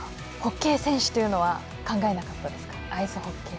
ホッケー選手というのは考えなかったですか？